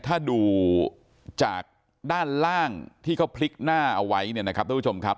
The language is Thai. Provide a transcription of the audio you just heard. ถ้าดูจากด้านล่างที่เขาพลิกหน้าเอาไว้เนี่ยนะครับทุกผู้ชมครับ